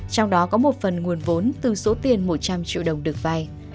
trong đó có một phần nguồn vốn từ số tiền một trăm linh triệu đồng được vay